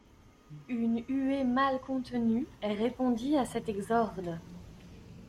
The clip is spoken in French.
Une huée mal contenue répondit à cet exorde.